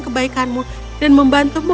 kebaikanmu dan membantumu